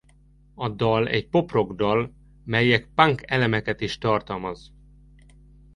A dal egy pop-rock dal melyek punk elemeket is tartalmaz.